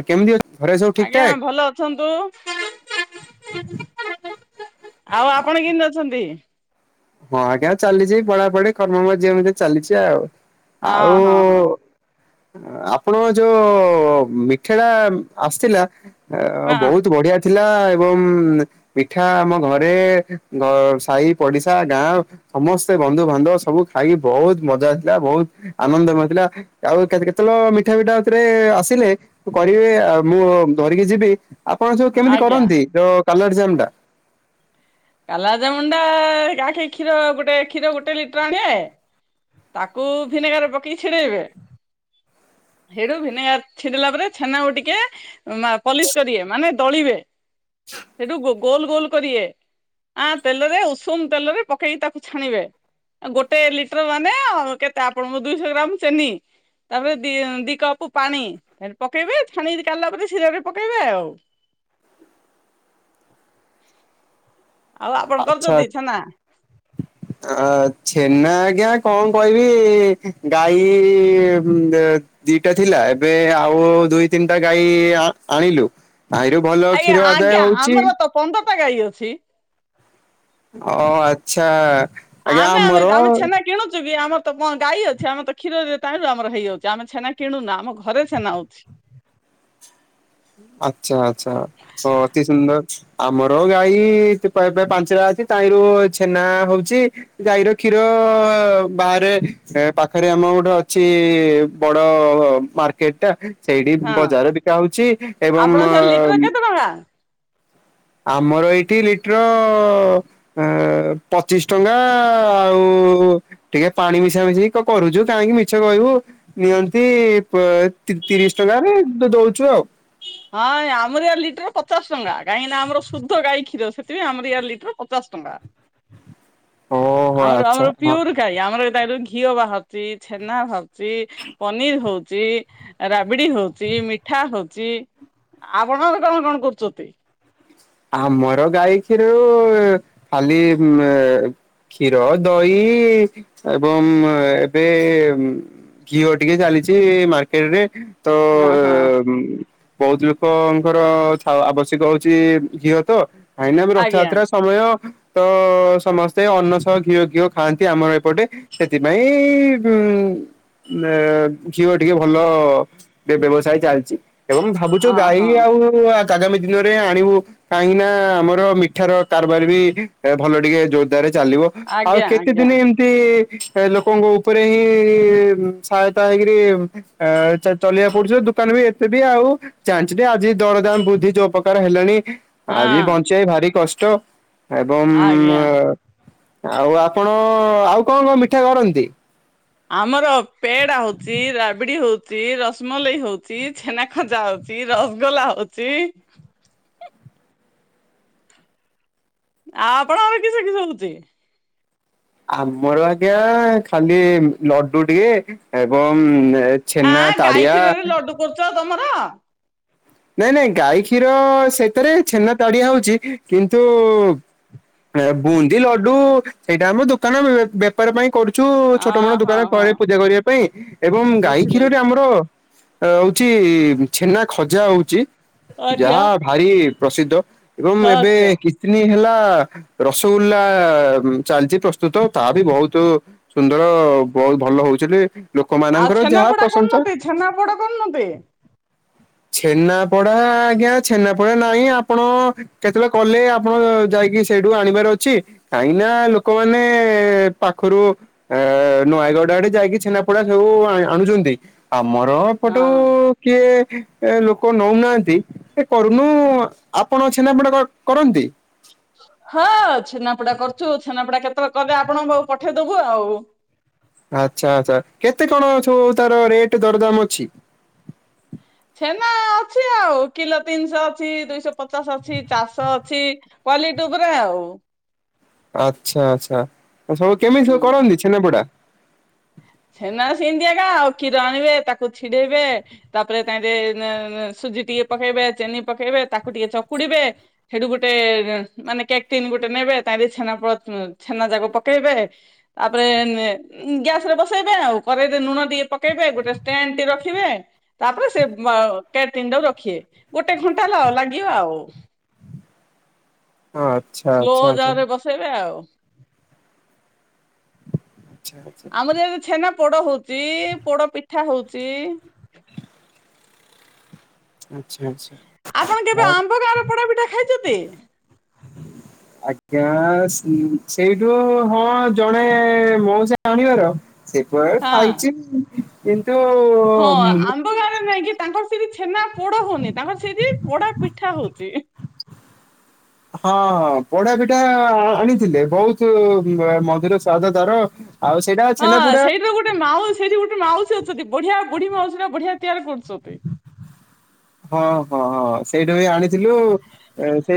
ଆଉ କେମିତି ଅଛି? ଘରେ ସବୁ ଠିକ ଆଜ୍ଞା ଠାକ? ଭଲ ଅଛନ୍ତୁ। [inaudible] ଆଉ ଆପଣ କେମିତି ଅଛନ୍ତି? ହଁ ଆଜ୍ଞା ଚାଲିଛି ପଢାପଢି କର୍ମ ମଝିଏ ମେ ଚାଲିଛି ଆଉ। ହଁ ଆଉ ହଁ ହଁ ଆପଣଙ୍କ ଯୋଉ ମିଠା ଟା ଆସିଥିଲା ହଁ ବହୁତ ବଢିଆ ଥିଲା ଏବଂ ମିଠା ଆମ ଘରେ ଗ ସାହି ପଡିସା ଗାଁ ସମସ୍ତେ ବନ୍ଧୁବାନ୍ଧବ ସବୁ ଖାଇକି ବହୁତ ମଜା ଆସଥିଲା, ବହୁତ ଆନନ୍ଦ ମହକିଲା। ଆଉ କେତେ କେତେବେଳେ ମିଠା ଫଠାଥିରେ ଆସିଲେ କରିବେ ଆଉ ମୁଁ ଧରିକି ଯିବି। ଆପଣ ସଉ କେମିତି ଆଜ୍ଞା। କରନ୍ତି ଯୋଉ କାଲର ଜାମୁଟା? କାଲାଜାମୁଣ୍ଡା କାଖେ କ୍ଷୀର ଗୋଟେ କ୍ଷୀର ଗୋଟେ ଲିଟର ଆଣିବେ। ତାକୁ ଭିନେଗାର ରେ ପକେଇକି ଛିଡେଇବେ। ହିଡୁ ଭିନେଗାର ଛିଦଲା ପରେ ଛେନାକୁ ଟିକେ ମା ପଲିସ କରେବେ ମାନେ ଦଳିବେ ସେଠୁ ଗୋଲ ଗୋଲ କରିବେ। ଆ ତେଲରେ ଉଷୁମ ତେଲରେ ପକେଇକି ତାକୁ ଛାଣିବେ। ଗୋଟେ ଲିଟର ମାନେ ଆ କେତେ ଆପଣଙ୍କ ଦୁଇଶହ ଗ୍ରାମ ଚିନି। ତାପରେ ଦି ଦି କପ ପାଣି ତା ପକେଇବେ ଛାଣି କାଢିଲା ପରେ ଶିରା ରେ ପକେଇବେ ଆଉ। ଆଉ ଆପଣ କରୁଛନ୍ତି ଛେନା? [inaudible] ଆ ଛେନା ଆଜ୍ଞା କଣ କହିବି ଗାଈ ଦେ ଦିଟା ଥିଲା, ଏବେ ଆଉ ଦୁଇ ତିନିଟା ଗାଈ ଆ ଆଣିଲୁ। ଭଈରୁ ଭଲ କ୍ଷୀର ଆଦାୟ ହଉଛି। ପନ୍ଦଟା ଗାଈ ଅଛି। ଓ ଆଚଛା ଆଜ୍ଞା ଆମେ ଆମେ ଆମର ଆମେ ଛେନା କିଣୁଛୁ କି ଆମର ତ କଣ ଗାଈ ଅଛି ଆମର ତ କ୍ଷୀରରୁ ଆମର ହେଇଯାଉଛି ଆମେ ଛେନା କିଣୁନା ଆମ ଘରେ ଛେନା ଅଉଛି ଆଚଛା ଆଚଛା ହଁ ଅତି ସୁନ୍ଦର ଆମର ଗାଈ ପାଞ୍ଚଟା ଅଛି ତାଇ ର ଛେନା ହଉଛି ଯଈର କ୍ଷୀର ବାହାରେ ପାଖରେ ଆମ ଗୋଟେ ଅଛି ବଡ ମାର୍କେଟ ଟା ସେଇଠି ହଁ ବଜାର ବିକା ହଉଛି ଏବଂ ଆପଣ ସେ ଲିଟର କେତେ ଟଙ୍କା? ଆମର ଏଇଠି ଲିଟର ଅ ପଚିଶ ଟଙ୍କା ଆଉ ଟିକେ ପାଣି ମିଶା ମିଶେଇି କରୁଛୁ କାହିଁକି ମିଛ କହିବୁ ନିଅନ୍ତି ତିରିଶ ଟଙ୍କାରେ ଦଉଛୁ ଆଉ ହଁ ଆମର ୟା ଲିଟର ପଚାଶ ଟଙ୍କା କାହିଁକି ନା ଆମର ଶୁଧ ଗାଈ କ୍ଷୀର ସେଥିପାଇ ଆମର ୟ ଲିଟର ଉପସ୍ତ ବାା ଓହୋ ଆମର ଆଚ୍ଛା ଆମର ହଁ। ପିଓର ଖାଇ ଆମର ଘିଅ ବାହାରାରୁଛି ଛେନା ଭାବ ପନିର ହଉଛି ରାବିଡି ହଉଛି ମିଠା ହଉଛି ଆପଣ ତ କଣ କଣ କରୁଛନ୍ତି ଆମର ଗାଈ କ୍ଷୀରରୁ ଖାଲି କ୍ଷୀର ଦହି ଏବଂ ଏବେ ଘିଅ ଟିକେ ଚାଲିଛି ମାର୍କେଟ ରେ ଓ ହୋ ହୁଁ ବହୁତ ଲୋକଙ୍କର ଆବଶ୍ୟକ ହଉଛି ଘିଅ ତ କାଇହିଁକି ଆମେ ଆଜ୍ଞା। ରଥଯାତ୍ରା ସମୟ ତ ସମସ୍ତେ ଅନ୍ନ ସହ ଘିଅ ଘିଅ ଖାଆନ୍ତି ଆମର ଏପଟେ ସେଥିମାଇଁ ଉ ଝିଅ ଟିକେ ଭଲ ବ୍ୟବସାୟ ଚାଲିଛି ଏବଂ ଭାବୁଛୁ ଗାଈ ଓହୋ ଆଉ ଆଗାମୀ ଦିନରେ ଆଣିବୁ କାହିଁକି ନା ଆମର ମିଠାର କାରବାର ବି ଭଲ ଟିକେ ଜୋରଦାରରେ ଚାଲିବ ଆଉ ଆଜ୍ଞା କେତେ ଆଜ୍ଞା ଦିନ ଏମତି ଲୋକଙ୍କ ଉପରେ ହିଁ ସହାୟତା ହେଇକରି ଆ ଚଲେଇିବାକୁ ପଡୁଛ ଦୋକାନ ବି ଏତେ ବି ଆଉ ଚାାଣିଁଛ ଆଜି ଦରଦାମ ବୃଦ୍ଧି ଯୋଉ ପ୍ରକାର ହେଲାଣି ହଁ ଆଜି ବଞ୍ଚିବା ଭାରି କଷ୍ଟ ଏବଂ ଆଜ୍ଞା। ଆଉ ଆପଣ ଆଉ କଣ କଣ ମିଠା କରନ୍ତି? ଆମର ପେଡା ହଉଚି ରାବିଡି ହଉ ଚି ରସମଲେଇ ହଉଚି ଛେନା ଖଜା ହଉଚି ରସଗୋଲା ହଉଚି ଆ ଆପଣଙ୍କର କିସ କିିସ ହଉଚି। ଆମର ଆଜ୍ଞା ଖାଲି ଲଡୁ ଟିକେ ଏବଂ ଆ ଛେନା ଗାଈ ତାଡିଆ କ୍ଷୀରରେ ଲଡୁ କରୁଚ ତମର ନାଇଁ ନାଇଁ ଗାଈ କ୍ଷୀର ସେତେରେ ଛେନା ତାଡିଆ ହଉଚି କିନ୍ତୁ ବୁନ୍ଦି ଲଡୁ ସେଇଟା ଆମ ଦୋକାନେ ମିଳେ। ଉପାର ପାଇଁ କରୁଛୁ ଅ ଛୋଟ ମୋଟ ଦୋକାନ ହଁ ହଁ ଘରେ ପୂଜା କରିବା ପାଇଁ ଏବଂ ଗାଈ ବୁଝିଲି କ୍ଷୀରରେ ଆମର ହଉଛି ଛେନା ଖଜା ହଉଚି ଆଜ୍ଞା ଯାହା ଭାରି ପ୍ରସିଦ୍ଧ ଏବଂ ଏବେ ଆଜ୍ଞା। କିଛିଦିନ ହେଲା ରସଗୋଲ୍ଲା ଚାଲିଚି ପ୍ରସ୍ତୁତ ତାହା ବି ବହୁତ ସୁନ୍ଦର ବହୁତ ଭଲ ହଉଚିଲି। ଆଉ ଛେନାପୋଡା କରୁନନ୍ତି ଛେନା ପୋଡା କରଣୁନନ୍ତି। ଛେନାପଡା ଆଜ୍ଞା ଛେନାପଡା ନାହିଁ ଆପଣ କେତବେଳେ କଲେ ଆପଣ ଯାଇକି ସେଇଠୁ ଆଣିବାର ଅଛି କାହିଁକ ନା ଲୋକମାନେଏ ପାଖରୁ ଅ ନୟାଗଡ ଆଡେ ଯାଇକି ଛେନାପଡା ସବୁ ଆଣୁଛନ୍ତି ଆମର ଫଟୋ ହଁ କିଏ ଲୋକ ନଉନାହାନ୍ତି। ସେ କରୁନୁ ଆପଣ ଛେନାପୋଡ କରନ୍ତି? ହଁ ଛେନାପୋଡା କରୁଛୁ ଛେନାପୋଡା କେତେବେଳେ କଲେ ଆପଣଙ୍କୁଉ ପଠେଇଦବୁ ଆଉ। ଆଚ୍ଛା ଆଚ୍ଛା କେତେ କଣ ସବୁ ତାର ରେଟ ଦରଦାମ ଅଛି। ଛେନା ଅଛି ଆଉ କିଲୋ ତିନିଶହ ଅଛି ଦୁଇଶହ ପଚାଶ ଅଛି ଚାରିଶହ ଅଛି। କ୍ୱାଲିଟି ଉପରେ ଆଉ ଆଚ୍ଛା ଆଚ୍ଛା ତ ସବୁ କେମିତି ଉଁ ସବୁ କରନ୍ତି ଛେନାପଡା? ଛେନା ସିନ୍ତିଆଗା ଆଉ କ୍ଷୀର ଆଣିବେ ତାକୁ ଛିଡେଇବେ ତାପରେ ତାରେ ସୁଜି ଟିକେ ପକେଇବେ ଚେନି ପକେଇବେ ତାକୁ ଟିକେ ଚକୁଡିବେ। ହେଠୁ ଗୁଟେ ମାନେ କେଟ୍ରିନ ଗୁଟେ ନେବେ ତା ଛେନା ପ ଛେନା ଯାକ ପକେଇବେ। ତାପରେ ଗ୍ୟାସ ରେ ବ ପକେଇବେ ଆଉ କରେଇରେ ନୁଣ ଟିକେ ପକେଇବେ ଗୋଟେ ଷ୍ଟାଣ୍ଡଟେ ରଖିବେ। ତାପରେ ସେ କେ ତିନିଟାକୁ ରଖିବେ ଗୋଟେ ଘଣ୍ଟା ହେଲା ଲାଗିବ ଆଉ। ଆଚ୍ଛା ସ୍ଲୋ ଆଚ୍ଛା ଆଚ୍ଛା ଜାରେ ବସେଇ ବେ ଆଉ। ଆଚ୍ଛା ଆଚ୍ଛା ଆମର ଛେନା ପୋଡ ହଉଛି ପୋଡ ପିଠା ହଉଛି ଆଚ୍ଛା ଆଚ୍ଛା। ଆପଣ କେବେ ଆମ୍ବ କାରପୋଡ଼ା ପିଠା ଖାଇଛନ୍ତି? ହ ଆଜ୍ଞା ସି ସେଇଠୁ ହଁ ଜଣେ ମଉସା ଆଣିବାର ସେପୁଆ ହଁ। ଖାଇଚି କିନ୍ତୁ ରେ ନାଇଁ କି ତାଙ୍କର ସେଇଠି ଛେନା ପୋଡ ହଉନି ତାଙ୍କର ସେଇଠି ପୋଡ ପିଠା ହଉଚି ଇ ହି। ହଁ ପୋଡ଼ ପିଠା ଆ ଆଣିଥିଲେ ବହୁତ ମଧୁର ସ୍ୱାଦ ତାର। ଆଉ ସେଇଟା। ହଁ ଛେନାପୋଡା ସେଇଠୁ ଗୋଟେ ମାଉ ସେଇଠି ଗୋଟେ ମାଉସୀ ଅଛନ୍ତି ବଢିଆ ବଢି ମାଉସୀ ଟା ବଢିଆ ତିଆରି କରୁଚନ୍ତି। ହଁ ହଁ ହଁ ସେଇଠା ବି ଆଣିଥିଲୁ। ସେ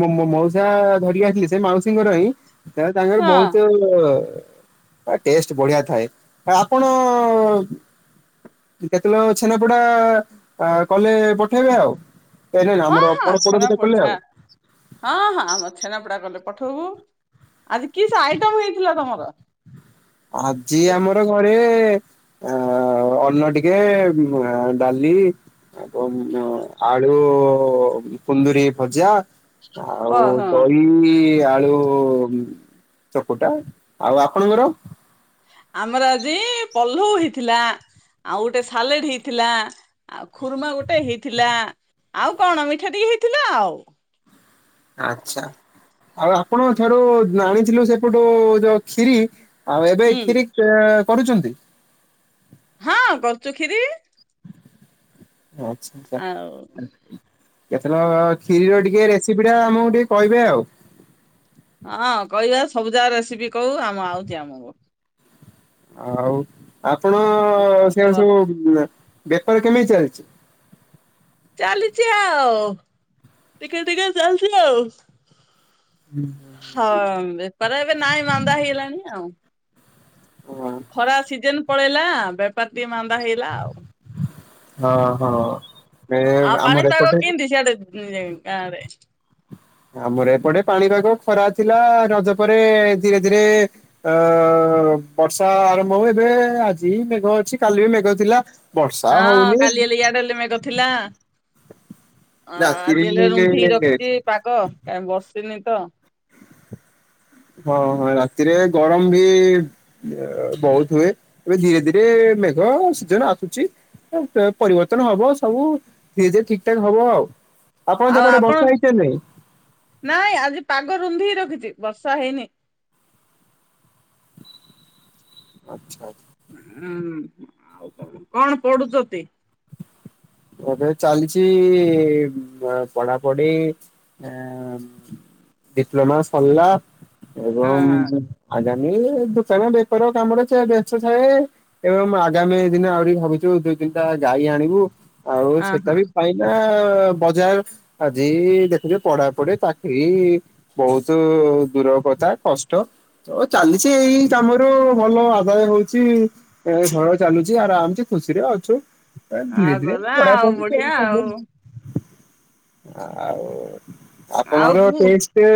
ମ ମ ମଉସା ଧରିକି ଆସିଥିଲେ ସେ ମାଉସୀଙ୍କର ହିଁ ତ ତାଙ୍କେ ହଁ ବହୁତ ଟ ଟେଷ୍ଟ ବଢିଆ ଥାଏ ଆପଣ କେତେବେ ଛେନାପୋଡ କଲେ ପଠେଇବେ ଆଉ ନାଇ ନାଇଁ ହଁ ଆମର ହଁ ପୋଡ଼ ପୋଡ ପିଠା ଛେନାପୋଡ଼ କଲେ ଛା ଆଉ। ହଁ ହଁ ଆମ ଛେନାପଡା କଲେ ପଠବୁ। ଆଜି କି ସ ଆଇଟମ ହେଇଥିଲା ତମର? ଆଜି ଆମର ଘରେ ଆ ଅନ୍ନ ଟିକେ ଡାଲି ଆପ ଆଳୁ କୁନ୍ଦୁରି ଭଜା ଓ ଆଉ ହଁ। ଦଇ ଆଳୁ ଚକୁଟା ଆଉ ଆପଣଙ୍କର ଆମର ଆଜି ପଲ୍ଲଉ ହେଇଥିଲା ଆଉ ଗୋଟେ ସାଲେଡ ହେଇଥିଲା। ଆଉ ଖୁର୍ମା ଗୋଟେ ହେଇଥିଲା ଆଉ କଣ ମିଠା ଟିକେ ହେଇଥିଲା ଆଉ। ଆଚ୍ଛା ଆଉ ଆପଣ ଠାରୁ ଆଣିଥିଲୁ ସେପଟୁ ଯୋଉ କ୍ଷୀରି। ଆଉ ଏବେ ହୁଁ କ୍ଷୀରି କରୁଛନ୍ତି। ହଁ କରୁଛୁ କ୍ଷୀରି। ଆଚ୍ଛା ଆଛା ଆଉ କେତେବେ କ୍ଷୀରୀର ଟିକେରେ ସେପିଟା ଆମକୁ ଟିକେ କହିବେ ଆଉ। ହଁ କହିବା ସବୁ ଯା ରେସିପି କହୁ ଆମ ଆଉଛି ଆମକୁ। ଆଉ ଆପଣ ଆଉ କଣ ସେ କୁହ ସବୁ ବେପାର କେମିତି ଚାଲିଛି? ଚାଲିଛି ଆଉ ଟିକେ ଟିକେ ଚାଲିଛି ଆଉ। ହୁଁ। ହଁ ବେପାର ଏବେ ନାଇଁ ମାନ୍ଦା ହେଇଗଲାଣି ଆଉ। ହଁ। ଖରା ସିଜନ ପଳେଇଲା ବେପାର ଟିକେ ମାନ୍ଦା ହେଇଲା ଆଉ ହଁ ହଁ ମିଳି ଆମ ଏପଟେ ମିଳେ ଟାବେ ଆମର ଏପଟେ ପାଣିପାଗ ଖରା ଥିଲା ରଜ ପରେ ଧୀରେ ଧୀରେ ଆଁ ବର୍ଷା ଆରମ୍ଭ ହୁଏ ଏବେ ଆଜି ମେଘ ଅଛି କାଲି ବି ମେଘ ଥିଲା। ବର୍ଷା ହଁ ହଉନି କାଲି ହେଲେ ୟାଡେ ହେଲେ ମେଘ ଥିଲା। ଆଉ ଆଜି ହେଲେ ରୁନ୍ଧିକି ରାତିରେ ରଖିଛି ପାଗ କାଇଁ ବସିିନି ତ ହଁ ରାତିରେ ଗରମ ବି ବହୁତ ହୁଏ ଏବେ ଧୀରେ ଧୀରେ ମେଘ ସିଜନ ଆସୁଛି। ପରିବର୍ତ୍ତନ ହବ ସବୁ ଧୀରେ ଧୀରେ ଠିକ ଠାକ ହବ ଆଉ। ଆଉ ସେପଟେ ଆପଣ ବର୍ଷା ହେଇଛି ନା ନାଇଁ? ନାଇଁ ଆଜି ପାଗ ରୁନ୍ଧିକି ରଖିଛି ବର୍ଷା ହେଇନି। ଆଚ୍ଛା ଆଚ୍ଛା। ହୁଁ ଆଉ କଣ ପଢୁଛନ୍ତି? ଏବେ ଚାଲିଛି ପଢାପଢି। ଏଁ ଡିପ୍ଲମା ସରିଲା ହଁ ଏବଂ ଆଜ୍ଜାନୀ ଦୋକାନ ବେପାର କାମରେ ସେ ବ୍ୟସ୍ତ ଥାଏ। ଏବଂ ଆଗାମୀ ଦିନ ଆହୁରି ଭାବୁଛୁ ଦୁଇ ତିନଟା ଗାଈ ଆଣିବୁ ଆଉ ହଁ ହଁ ସେଟା ହଁ ବି ପାଇଁ ନା ବଜାର ଆଜି ଦେଖିବେ ପଢାପଢି ପାଟି ବହୁତ ଦୂର କଥା କଷ୍ଟ। ହଉ ଚାଲିଛି ଏଇ କାମରୁ ଭଲ ଆଦାୟ ହଉଛି। ଏ ଘର ଚାଲୁଛି ଆରାମସେ ଖୁସିରେ ଅଛୁ ଧୀରେ ଆଉ ଧୀରେ [inaudible] ଗଲା ଆଉ ବଢିଆ ଆଉ ଆଉ ଆପଣଙ୍କର ପୁ ଟେସ୍ ସେ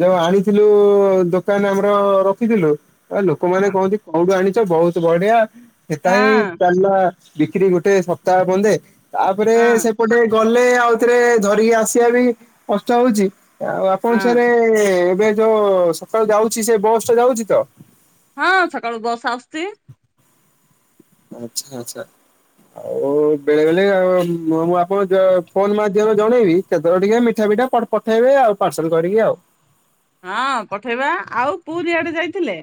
ଯୋଉ ଆଣିଥିଲୁ ଦୋକାନ ଆମର ରଖିଥିଲୁ। ଆ ଲୋକମାନେ କହନ୍ତି କୋଉଠୁ ଆଣିଛ ବହୁତ ବଢିଆ ସେଟା ହଁ ହିଁ ଚାଲିଲା। ବିକ୍ରି ଗୋଟେ ସପ୍ତାହ ବନ୍ଦେ ତାପରେ ହଁ ସେପଟେ ଗଲେ ଆଉ ଥରେ ଧରିକି ଆସିବା ବି କଷ୍ଟ ହଉଛି। ଆଉ ହଁ ଆପଣଙ୍କରେ ଏବେ ଯୋଉ ସକାଳୁ ଯାଉଛି ସେ ବସଟା ଯାଉଛି ତ ହଁ ସକାଳୁ ବସ ଆସୁଛି। ଆଚ୍ଛା ଆଚ୍ଛା। ଆଉ ବେଳେ ବେଳେ ମୁଁ ଆପଣ ଫୋନ୍ ମାଧ୍ୟମରେ ଜଣେଇବି ସେତେବେଳେ ଟିକେ ମିଠା ପିଠା ପ ପଠେଇବେ ଆଉ ପାର୍ସଲ କରିକି ଆଉ ହଁ ପଠେଇବା ଆଉ ପୁରୀ ଆଡେ ଯାଇଥିଲେ?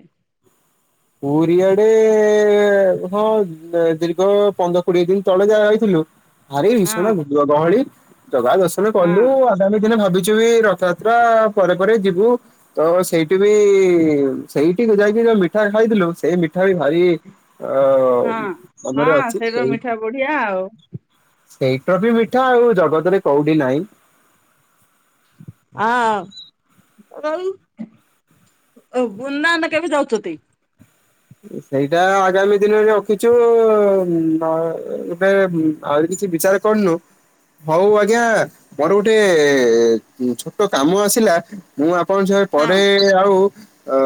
ପୁରୀ ଆଡେ ହଁ ଦୀର୍ଘ ପନ୍ଦର କୋଡିଏ ଦିନ ତଳେ ଯାହା ଯାଇଥିଲୁ। ଆରେ ହଁ ଭୀଷଣ ଗହଳି ଜଗା ଦର୍ଶନ ହଁ କଲୁ ଆ ଆମେ ଦିନେ ଭାବିଛୁକି ଏ ରଥଯାତ୍ରା ପରେ ପରେ ଯିବୁ। ତ ସେଇଠି ବି ସେଇଠିକୁ ଯାଇକିରି ଯୋଉ ମିଠା ଖାଇଥିଲୁ ସେଇ ମିଠା ବି ଭାରି ଆ ହଁ ଆମର ହଁ ଅଛି। ସେଇଟା ମିଠା ବଢିଆ ଆଉ ସେଇଟା ବି ମିଠା ଆଉ ଜଗତରେ କୋଉଠି ନାହିଁ। ହଁ ଉନା ପୂର୍ଣା ନନା କେବେ ଦଉଛନ୍ତି? ସେଇଟା ଆଗାମୀ ଦିନରେ ରଖିଛୁ ଗଟେ ଆହୁରି କିଛି ବିଚାର କରନୁ। ହଉ ଆଜ୍ଞା ମୋର ଗୋଟେ ଛୋଟ କାମ ଆସିଲା। ମୁଁ ଆପଣଙ୍କ ସାଙ୍ଗରେ ହଁ ପରେ ଆଉ ଅ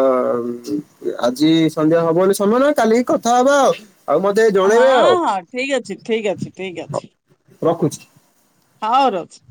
ଆଜି ସନ୍ଧ୍ୟା ହବନି ସମରେ କାଲିି କି କଥା ହବା ଆଉ ଆଉ ମତେ ଜଣେଇବେ ହଁ, ଆଉ ହଁ ଠିକ ଅଛି, ଠିକ ଅଛି, ଠିକ ଅଛି ରଖୁଛି। ହଉ ରହୁଛି।